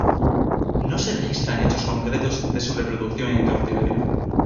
No se registran hechos concretos de su reproducción en cautiverio.